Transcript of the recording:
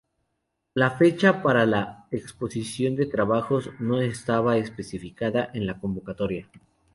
La fecha para la exposición de trabajos no estaba especificada en la convocatoria.